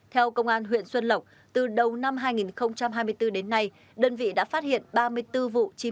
theo công an huyện xuân lộc từ đầu năm hai nghìn hai mươi bốn đến nay đơn vị đã phát hiện ba mươi bốn vụ